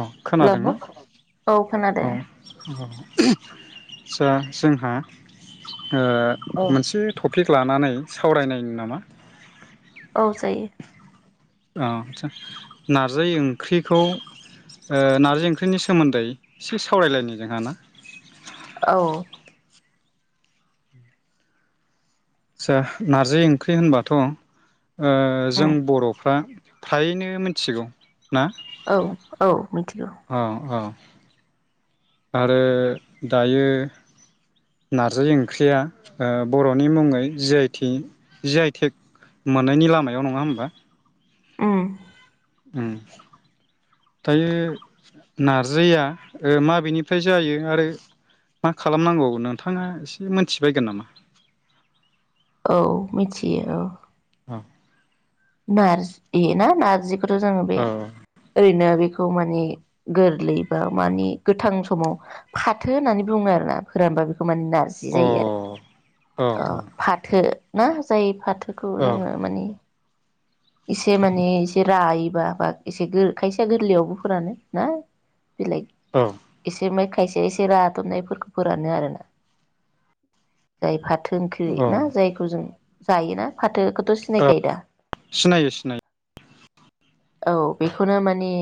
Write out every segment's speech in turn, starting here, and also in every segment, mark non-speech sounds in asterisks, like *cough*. अ hello खोनादोंना औ खोनादों अ अ जा जोंहा ओ औ मोनसे टपिक लानानै सावरायनायनि नामा? जायो। अ आचसा नारजि ओंख्रिखौ ओ नारजि ओंख्रिनि सोमोन्दै एसे सावरायलायनि जोंहा ना? औ नारजि ओंख्रि होनबाथ' ओ उम जों बर'फ्रा फ्रायैनो मिथिगौ। ना औ औ मिथिगौ। औ औ आरो दायो नारजि ओंख्रिया ओ बर'नि मुङै जि आइ थ जि आइ थेक मोननायनि लामायाव नङा होमबा। उम उम दायो नारजिया माबेनिफ्राय जायो आरो मा खालामनांगौ नोंथाङा एसे मोनथिबायगोन नामा? औ मिथियो औ। औ नारजि ना नारजिख थ' जोङो बे औ ओरैनो बेखौ माने गोरलैबा माने गोथां समाव फाथो होननानै बुङो आरोना फोरानबा बे माने नारजि जायो अ औ आरो फाथो ना जायो फाथो। बेखौ औ जोङो माने इसे माने एसे राय बा बा एसे खायसेया गोरलैयावबो फोरानो ना। बेलाय औ एसे मे खायसे एसे रादबनायफोरखौ फोरानो आरोना जाय फाथ थो ओंख्रि ना औ जायखौ जों जायोना फाथो। थ' सिनाखायो दा नाय औ बेखौनो माने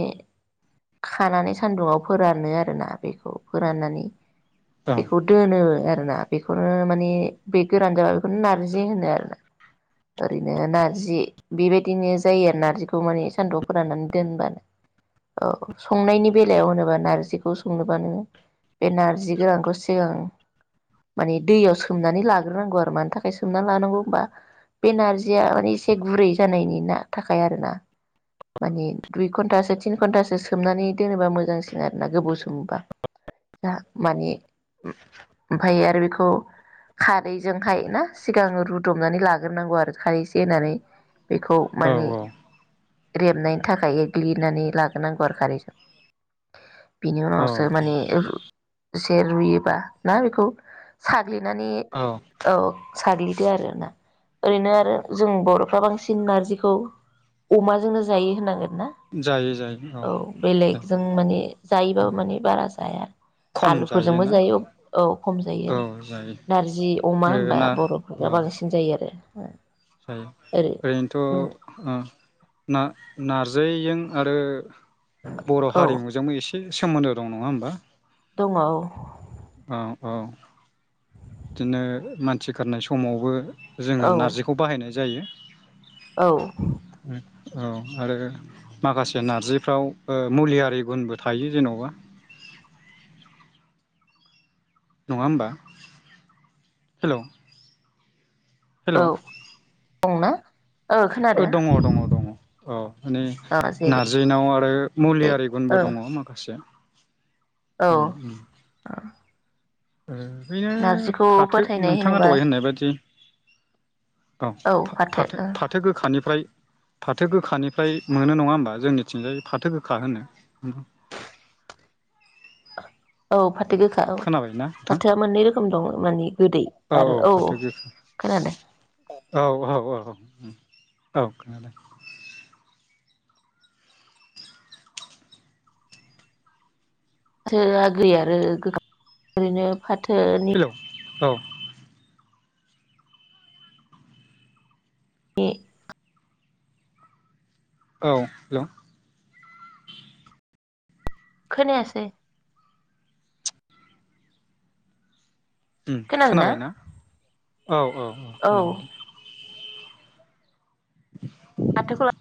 खानानै सान्दुंआव फोरानो आरोना बेखौ फोराननानै औ बेखौ दोनो आरोना बेखौनो माने बे गोरान जाबा बेखौनो नारजि होनो आरोना ओरैनो नारजि बेबायदिनो जायो आरो नार्जिखौ माने सान्दुं फोराननानै दोनबानो औ संनायनि बेलायाव होनोबा नार्जिखौ संनोबा नोङो बे नार्जि गोरानखौ सिगां माने दैयाव सोमनानै लाग्रोनांगौ आरो मानि थाखाय सोमनानै लानांगौ होनबा बे नार्जिया माने एसे गुरै जानायनिना थाखाय आरोना माने दुइ घणन्टासो थिन घन्टासो सोमनानै दोनोबा मोजांसिन आरोना गोबाव सोमोबा जा माने ओमफफ्राय आरो बेखौ खारैजोंहाय ना सिगां रुदबनानै लाग्रोनांगौ आरो खारैसे एसे होनानै बेखौ माने औ रेबनायनि थाखाय एग्लिनानै लाग्रोनांगौ आरो खारैजों बिनि औ उनावसो माने से रुयोबा ना बेखौ सा ग्लिनानै औ औ साग्लिदो आरोना ओरैनो आरो जों बर'फ्रा बांसिन सिन नारजिखौ अमाजोंनो जायो होनांगोन ना जायो जायो औ औ बेलेगजों माने जायोबाबो औ माने बारा जाया खम आलुफोरजोंबो जायोना जायो औ खम जायो औ आरो जायो नारजि अमा ओ होनोमबा ना औ बर'फोरा बांसिन जायो आरो *inaudible* ओरै जायो *unintelligible* थ' ओ‌ नारज दैजों आरो बर' औ हारिमुजोंबो ए से सोमोनदो दं नङा होमबा दङो औ औ औ बिदिनो मानसि गारनाय समावबो औ जोङो नारजिखौ बाहायनाय जायो औ औ आरो माखासे नारजिफ्राव ओ मुलियारि गुनबो थायो जेन'बा नङा होमबा हेल' हेल' औ दंना ओ खोनादों दङ दङ दङ औ माने ओ जेरै नारजिनाव आरो मुलिआरि ओ गुनबो दङ माखासे औ उम उम ओै बैनो नारजिखौ फाथो फोथायनाय नोंथाङा होनोबा दावाय होननाय बायदि औ फाथो फाथो गोखानिफ्राय फाथो गोखानिफ्राय मोनो नङा होमबा जोंनिथिंजाय फाथो गोखा होनो औ फा थो गोखा औ खोनाबायना नोंथां फाथोआ मोननै रोखोम दं माने गोदै आरो औ खोनादो उ औ खोनादों फाथोआ गै आरो गो ओरैनो फाथो हेल' औ ए औ हेल' खोनायासै उम खोनाबाय ना? औ औ औ खोनाबाय दे *inaudible* आथोखालाव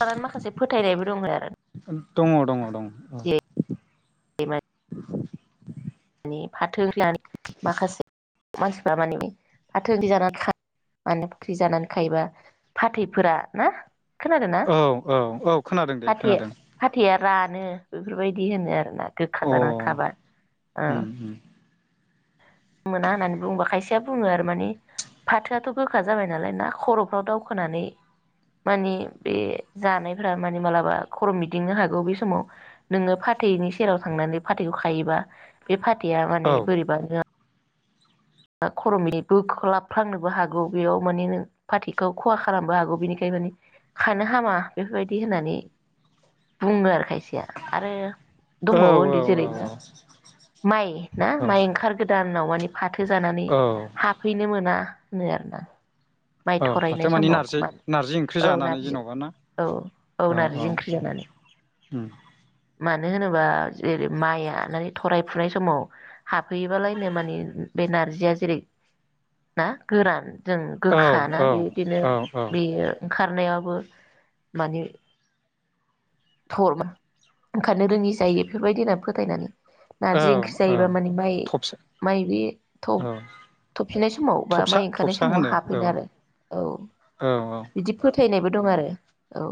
*unintelligible* माखासे फोथायनायबो दङ आरो दङ दङ दङ *unintelligible* माने फाथो माखासे मानसिफ्रा माने फाथो जानानै माने फाथो जानानै खायोबा फाथैफोरा ना खोनादों ना औ औ औ खोनादों दे फाथै खोनादों फाथैया रानो बेफोरबायदि होनो आरोना गोखा अ जानानै खाबा औ उम उम मोना होननानै बुङोबा खायसेया बुङो आरो माने फाथोआथ' गोखा जाबाय नालाय ना खर'फ्राव दावखोनानै मानि बे जानायफ्रा माने मालाबा खर' मिदिंनो हागौ बे समाव नोङो फाथैनि सेराव थांनानै फाथैखौ खायोबा बे फा थैया औ माने बोरैबा *unintelligible* बोखोलाबफ्लांनोबो हागौ बेयाव माने नों फाथै खौ खहा खालामनोबो हागौ बिनिखायनो माने खानो हामा बेफोरबायदि होननानै बुङो आरो खाय सेया आरो औ औ दंबावो उनदै जेरै ना माइ ना माइ ओंखार गोदान दानाव माने फाथो जानानै औ हाबहैनो मोना होनो आरोना माइ औ थरायनाय फाथो मानि समाव नारजि मान नारजि ओंख्रि औ जानानै नारजि जेनबा ना औ औ औ नारजि ओंख्रि जानानै उम मानो होनोबा जेरै माइआ माने थराय फुनाय समाव हाबहैयोबालायनो माने बे नारजिया जेरै ना गोरान जों औ गोखाना बेदिनो औ बेयो ओंखारनायाबो माने *unintelligible* ओंखारनो रोङि जायो बेफोरबायदि होनना फोथायनानै औ नारजि ओंख्रि औ जायोबा माने माइ थबसा माइ बे थ' औ - थफिननाय समाव बा थबसा माइ ओंखारनाय थबसा समाव होनो औ हाफैनो आरो औ औ बिदि फो थैनायबो दं आरो औ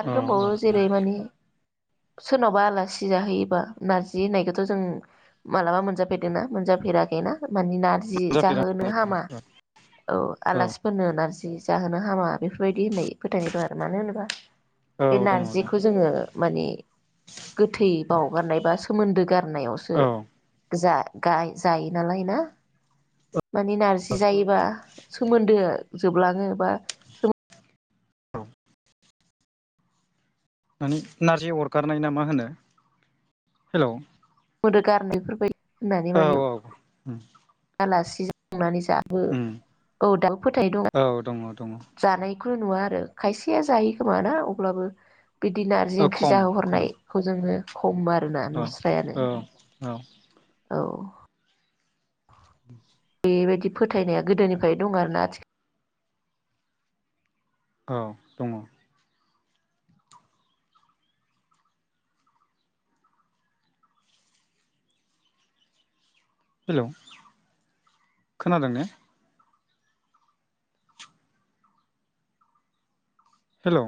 आरो औ औ दंबावो जेरै माने सोरनावबा आलासि जाहैयोबा नारजि होननायखौथ' जों मालाबा मोनजाफेरदोंना मोनजाफेराखैना? माने नारजि जाफेरा जाहोनो हामा औ आलासिफोरनो नारजि जि जाहोनो हामा बेफोरबायदि होननाय फोथायनाय दं आरो मानो होनोबा औ दङ दङ जिखौ जोङो माने गोथै बावगारनाय बा सोमोनदो गार नायावसो औ जा गाय जायो नालाय ना माने नारजि जायोबा सोमोनदो जोबलाङो बा औ मानि नारजि अरगारनाय ना मा होनो हेल' सोमोदो गारनाय बेफोरबायदि होननानै औ औ उ *unintelligible* नानै जाबो औ दाबो फोथायनाय दं औ दङ दङ जानाय खौनो नुवा आरो खायसेया जायो खोमाना अब्लाबो बिदि नारजि औ ओंख्रि खम खम जाहोहरनायखौ जोङो खम आरोना अ नुस्रायानो औ औ *inaudible* बेबायदि फोथायनाया गोदोनिफ्राय दं आरोना आथिखा औ दङ हेलौ खोनादों ने हेलौ